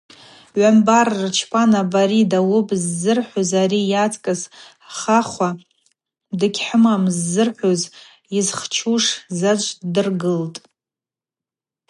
Гӏвамбар рчпан абари дауыпӏ ззырхӏвуз, ари йацкӏыс хахва дыгьхӏымам ззырхӏвуз, йызхчушыз заджв ддыргылтӏ.